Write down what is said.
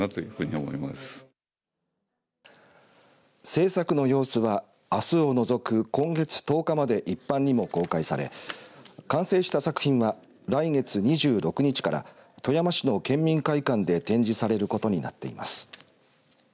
制作の様子はあすを除く今月１０日まで一般にも公開され完成した作品は、来月２６日から富山市の県民会館で展示されることになっています。